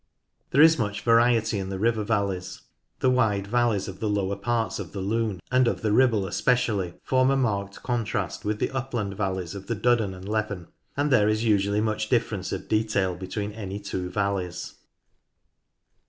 There is much variety in the river valleys. The wide valleys of the lower parts of the Lune and of the Ribble especially form a marked contrast with the upland valleys of the Duddon and Leven, and there is usually much difference of detail between any two valleys.